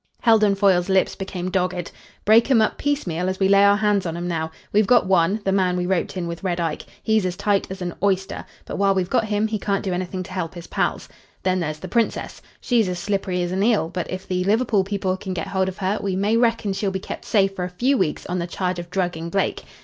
Heldon Foyle's lips became dogged. "Break 'em up piecemeal as we lay our hands on 'em now. We've got one the man we roped in with Red Ike. He's as tight as an oyster; but while we've got him he can't do anything to help his pals. Then there's the Princess. She's as slippery as an eel; but if the Liverpool people can get hold of her we may reckon she'll be kept safe for a few weeks on the charge of drugging Blake.